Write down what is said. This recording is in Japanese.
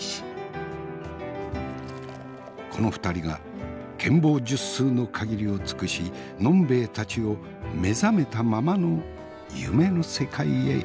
この２人が権謀術数の限りを尽くし呑兵衛たちを目覚めたままの夢の世界へいざなってくれる。